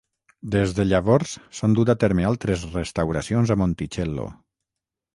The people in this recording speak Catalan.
Des de llavors, s'han dut a terme altres restauracions a Monticello.